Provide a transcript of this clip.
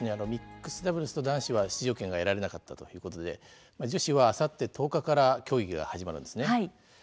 ミックスダブルスと男子は出場権が得られなかったということで女子はあさって１０日から競技が始まります。